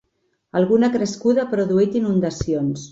Alguna crescuda ha produït inundacions.